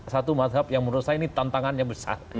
satu mazhab yang menurut saya ini tantangannya besar